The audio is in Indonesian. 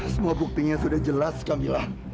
semua buktinya sudah jelas kamila